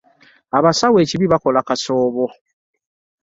Abasawo ekibi bakola kasoobo.